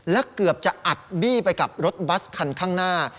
และเกือบจะอัดบี้ไปกับรถบัสคันข้างหน้า